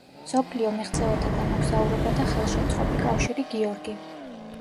მსოფლიო მიღწევათა და მოგზაურობათა ხელშემწყობი კავშირი „გიორგი“.